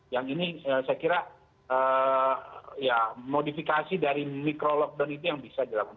yang ini saya kira ya modifikasi dari micro lockdown itu yang bisa dilakukan